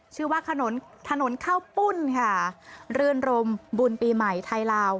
ชื่อว่าถนนถนนข้าวปุ้นค่ะรื่นรมบุญปีใหม่ไทยลาว